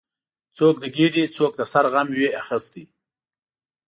څوک د ګیډې، څوک د سر غم وي اخیستی